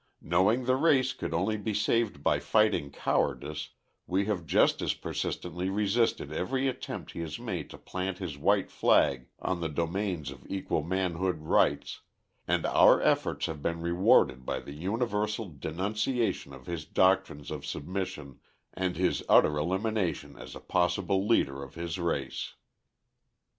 Knowing the race could only be saved by fighting cowardice, we have just as persistently resisted every attempt he has made to plant his white flag on the domains of equal manhood rights and our efforts have been rewarded by the universal denunciation of his doctrines of submission and his utter elimination as a possible leader of his race.